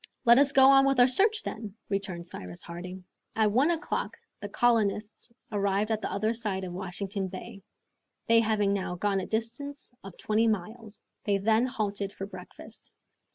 "Let us go on with our search, then," returned Cyrus Harding. At one o'clock the colonists arrived at the other side of Washington Bay, they having now gone a distance of twenty miles. They then halted for breakfast.